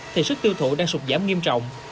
thì sức tiêu thụ đang sụt giảm nghiêm trọng